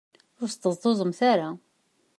Ur sṭeẓṭuẓemt ara.